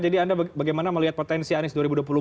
jadi anda bagaimana melihat potensi anies dua ribu dua puluh empat